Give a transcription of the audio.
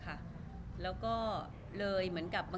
รูปนั้นผมก็เป็นคนถ่ายเองเคลียร์กับเรา